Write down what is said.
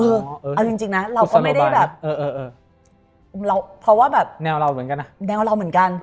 เอาจริงจริงนะเราก็ไม่ได้แบบแนวเราเหมือนกัน